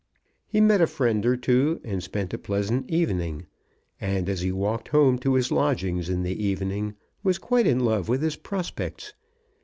He met a friend or two, and spent a pleasant evening, and as he walked home to his lodgings in the evening was quite in love with his prospects.